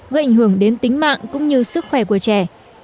gây ảnh hưởng đến tính mạng cũng như sức khỏe của trẻ